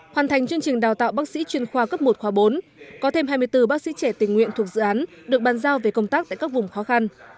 hoàn thành chương trình đào tạo bác sĩ chuyên khoa cấp một khoa bốn có thêm hai mươi bốn bác sĩ trẻ tình nguyện thuộc dự án được bàn giao về công tác tại các vùng khó khăn